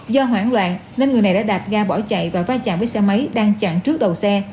do hoảng loạn nên người này đã đạp ga bỏ chạy và va chạm với xe máy đang chặn trước đầu xe